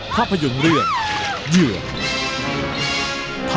ภาพยนตร์เลือก